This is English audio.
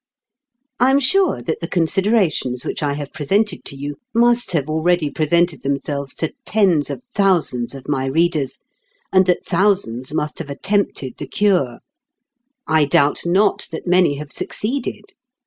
I am sure that the considerations which I have presented to you must have already presented themselves to tens of thousands of my readers, and that thousands must have attempted the cure. I doubt not that many have succeeded.